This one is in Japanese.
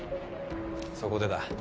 そこでだ。